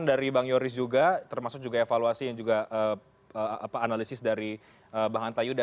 dari bang yoris juga termasuk juga evaluasi yang juga analisis dari bang hanta yuda